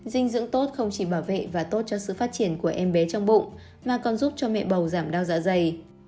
dinh dưỡng tốt không chỉ bảo vệ và tốt cho sự phát triển của em bé trong bụng mà còn giúp cho mẹ bầu giảm đau dạ dày